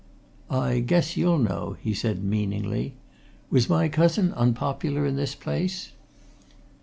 "I guess you'll know," he said meaningly. "Was my cousin unpopular in this place?"